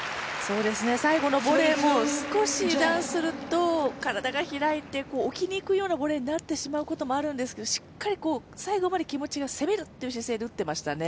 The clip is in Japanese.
最後のボレーも少し油断すると、体が開いて置きにいくようなボレーになってしまうこともあるんですが、しっかり最後まで気持ちまで攻めるという姿勢で打っていましたね。